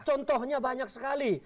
contohnya banyak sekali